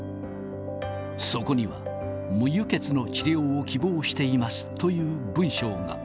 そこには、無輸血の治療を希望していますという文章が。